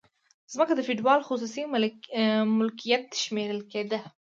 ځمکه د فیوډال خصوصي ملکیت شمیرل کیده.